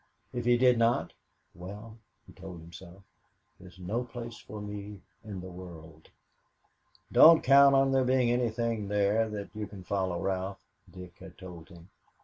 If he did not "Well," he told himself, "there's no place for me in the world." "Don't count on there being anything there that you can follow, Ralph," Dick had told him.